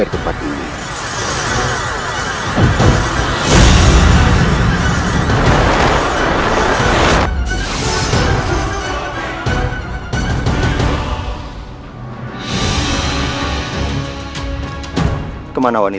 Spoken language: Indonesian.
kepada prabu siliwang